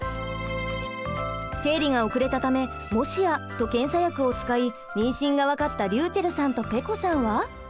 生理が遅れたためもしやと検査薬を使い妊娠がわかったりゅうちぇるさんとぺこさんは？